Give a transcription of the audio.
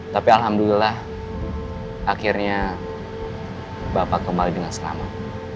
tapi alhamdulillah akhirnya bapak kembali dengan selamat